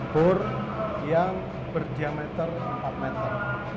bor yang berdiameter empat meter